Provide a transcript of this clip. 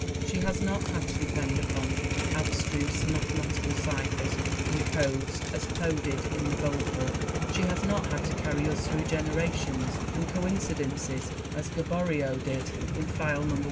She has not had to depend upon abstruse mathematical ciphers and codes as Poe did in The Goldbug. She has not had to carry us through generations and coincidences as Gaboriau did in File No.